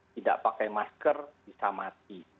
tidak pakai masker bisa mati